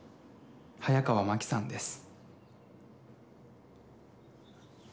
早川麻希さんです。